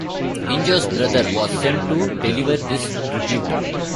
Injo's brother was sent to deliver this tribute.